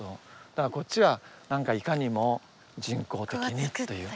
だからこっちは何かいかにも人工的にっていう。